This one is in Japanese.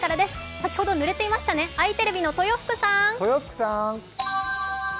先ほど、ぬれていましたね、あいテレビの豊福さん。